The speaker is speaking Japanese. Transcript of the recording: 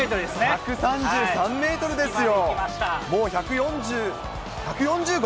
１３３メートルですよ。